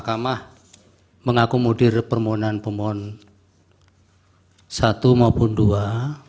saya mengakomodir permohonan promohon satu maupun dua